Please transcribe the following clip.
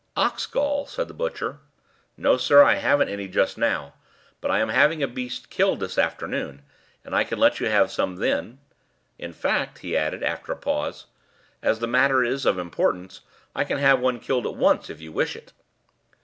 "Ox gall?" said the butcher. "No, sir, I haven't any just now; but I am having a beast killed this afternoon, and I can let you have some then. In fact," he added, after a pause, "as the matter is of importance, I can have one killed at once if you wish it."